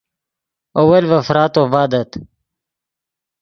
اول ڤے فراتو ڤادت